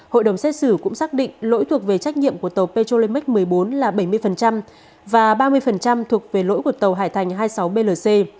hội đồng xét xử cũng xác định lỗi thuộc về trách nhiệm của tàu petrolimic một mươi bốn là bảy mươi và ba mươi thuộc về lỗi của tàu hải thành hai mươi sáu blc